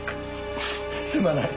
すまない。